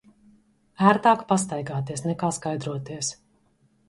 Ērtāk pastaigāties, nekā skaidroties.